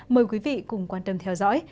mời quý vị cùng quan tâm theo dõi